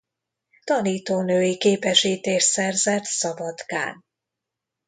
Tanítónői képesítést szerzett Szabadkán.